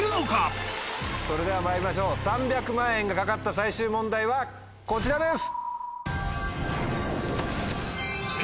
まいりましょう３００万円が懸かった最終問題はこちらです！